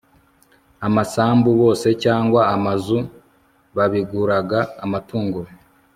amasambu bose cyangwa amazu babiguraga amatungo